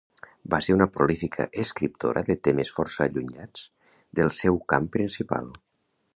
Va ser una prolífica escriptora de temes força allunyats del seu camp principal.